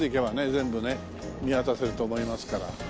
全部ね見渡せると思いますから。